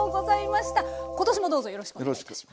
今年もどうぞよろしくお願いします。